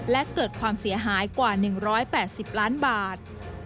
และเกิดความเสียหายกว่า๑๘๐ล้านบาท